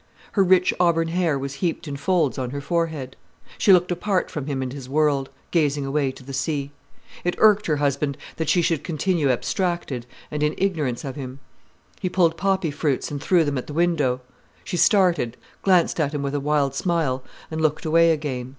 Her rich auburn hair was heaped in folds on her forehead. She looked apart from him and his world, gazing away to the sea. It irked her husband that she should continue abstracted and in ignorance of him; he pulled poppy fruits and threw them at the window. She started, glanced at him with a wild smile, and looked away again.